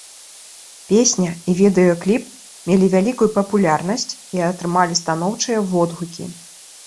Песня і відэакліп мелі вялікую папулярнасць і атрымалі станоўчыя водгукі.